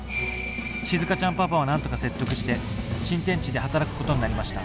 しずかちゃんパパをなんとか説得して新天地で働くことになりました。